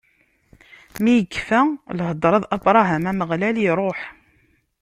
Mi yekfa lhedṛa d Abṛaham, Ameɣlal iṛuḥ.